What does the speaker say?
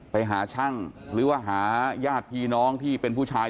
ไปหาช่างหรือว่าหาญาติพี่น้องที่เป็นผู้ชาย